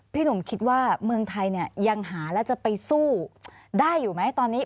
พี่หนุ่มคิดว่าเมืองไทยเนี่ยยังหาแล้วจะไปสู้ได้อยู่ไหมตอนนี้